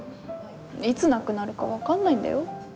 いつなくなるか分かんないんだよ？